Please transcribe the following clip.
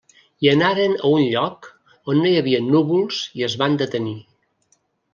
I anaren a un lloc on no hi havia núvols i es van detenir.